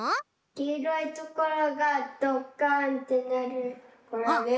きいろいところがドッカンってなるからです。